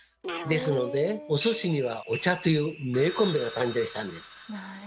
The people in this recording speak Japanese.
ですのでお寿司にはお茶という名コンビが誕生したんです。